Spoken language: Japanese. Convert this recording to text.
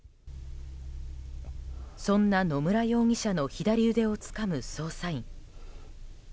そんな野村容疑者の左腕をつかむ捜査員。